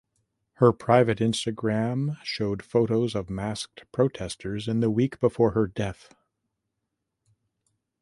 Her private Instagram showed photos of masked protestors in the week before her death.